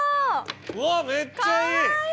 うわめっちゃいい！